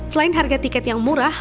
selain harga tiket yang murah